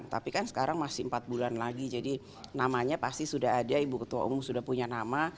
tapi kan sekarang masih empat bulan lagi jadi namanya pasti sudah ada ibu ketua umum sudah punya nama